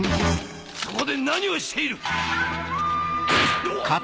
そこで何をしている⁉どわっ！